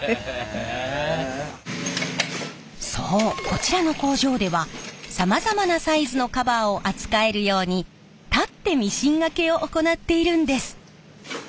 そうこちらの工場ではさまざまなサイズのカバーを扱えるように立ってミシン掛けを行っているんです。